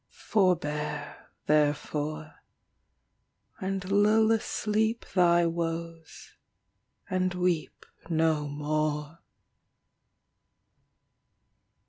Forbear, therefore, And lull asleep Thy woes, and weep No more.